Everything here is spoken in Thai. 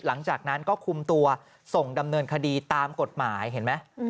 หลังจากนั้นก็คุมตัวส่งดำเนินคดีตามกฎหมายเห็นไหม